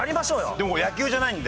でも野球じゃないんで。